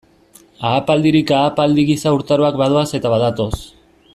Ahapaldirik ahapaldi giza urtaroak badoaz eta badatoz.